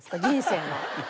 人生の。